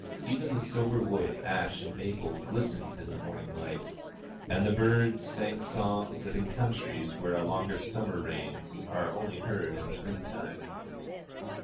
Even the sober wood of ash and maple glistened in the morning light, and the birds sang songs that in countries where a longer summer reigns are only heard in spring time.